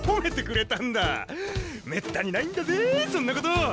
めったにないんだぜそんなこと！